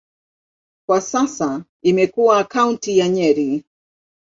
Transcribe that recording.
Kwa sasa imekuwa kaunti ya Nyeri.